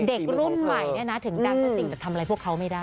เด็กรุ่นใหม่เนี่ยนะถึงดังก็จริงแต่ทำอะไรพวกเขาไม่ได้